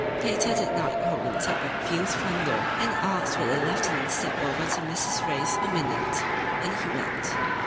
Later that night Hogan tapped at Field's front door and asked would the lieutenant step over to Mrs. Ray's a minute, and he went.